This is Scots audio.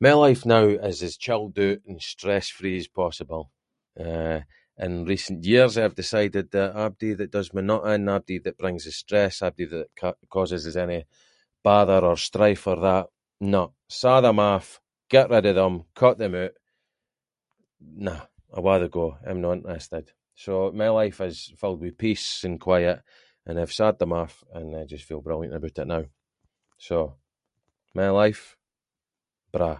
My life now is as chilled oot and stress free as possible, eh, in recent years I have decided that abody that does my nut in and abody that brings us stress, abody that c- causes us any bother or strife or that, nope, saw them off, get rid of them, cut them oot, nah, awa’ they go, I’m no interested. So my life is filled with peace and quiet and I’ve sawed them off and I just feel brilliant aboot it now. So, my life, braw.